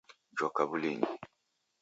Joka wulinyi